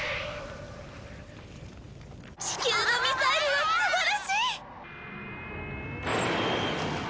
地球のミサイルは素晴らしい！